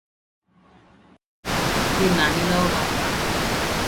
ମହାନ୍ତି-ନାହିଁ ଲୋ ବାପା ।